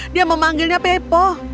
dia memanggilnya pepo